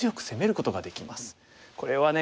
これはね